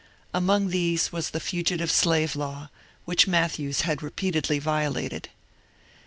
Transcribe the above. Among these was the Fugitive Slave Law, which Matthews had repeatedly violated.